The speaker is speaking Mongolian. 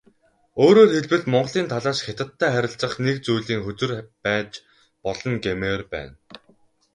Өөрөөр хэлбэл, Монголын талаас Хятадтай харилцах нэг зүйлийн хөзөр байж болно гэмээр байна.